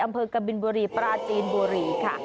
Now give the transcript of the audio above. อำเภอกับบิลบุรีปราจีนบุรีค่ะ